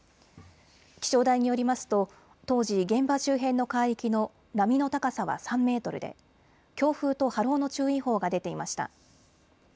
気象台によりますと当時、現場周辺の海域の波の高さは３メートルで強風と波浪の注意報が出ていました。